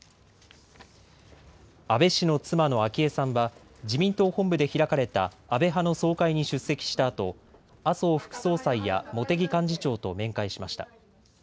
安倍氏の妻の昭恵さんは自民党本部で開かれた安倍派の総会に出席したあと麻生副総裁や茂木幹事長と面会しました。